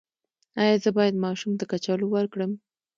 ایا زه باید ماشوم ته کچالو ورکړم؟